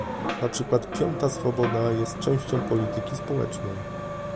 Na przykład piąta swoboda jest częścią polityki społecznej